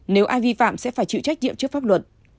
nếu ai vi phạm sẽ phải chịu trách nhiệm trước pháp luật